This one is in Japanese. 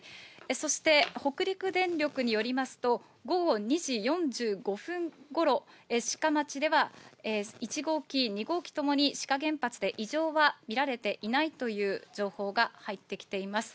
そして北陸電力によりますと、午後２時４５分ごろ、志賀町では１号機、２号機ともに、志賀原発で異常は見られていないという情報が入ってきています。